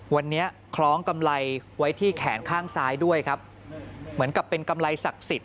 วันนี้คล้องกำไรไว้ที่แขนข้างซ้ายด้วยครับเหมือนกับเป็นกำไรศักดิ์สิทธิ